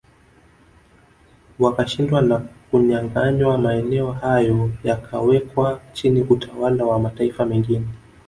Wakashindwa na kunyanganywa maeneo hayo yakawekwa chini utawala wa mataifa mengine